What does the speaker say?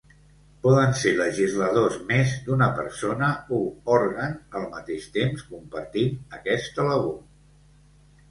Poden ser legisladors més d'una persona o òrgan al mateix temps, compartint aquesta labor.